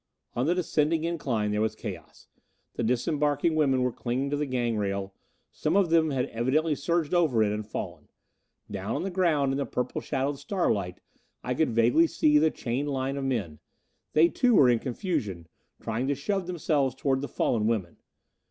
On the descending incline there was chaos. The disembarking women were clinging to the gang rail; some of them had evidently surged over it and fallen. Down on the ground in the purple shadowed starlight I could vaguely see the chained line of men. They too were in confusion, trying to shove themselves toward the fallen women.